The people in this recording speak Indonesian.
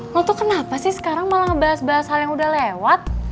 lalu tuh kenapa sih sekarang malah ngebahas bahas hal yang udah lewat